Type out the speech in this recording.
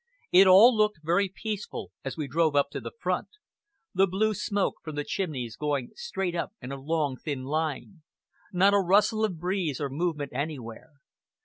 It all looked very peaceful as we drove up to the front; the blue smoke from the chimneys going straight up in a long, thin line; not a rustle of breeze or movement anywhere.